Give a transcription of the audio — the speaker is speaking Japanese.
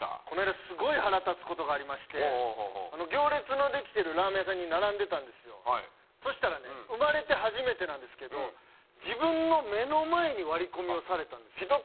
この間すごい腹立つことがありまして行列のできてるラーメン屋さんに並んでたんですよそしたらね生まれて初めてなんですけど自分の目の前に割り込みをされたんですよ